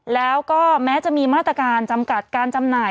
แล้วก็แม้จะมีมาตรการจำกัดการจำหน่าย